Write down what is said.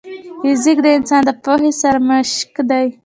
فزیک د انسان د پوهې سرمشق دی.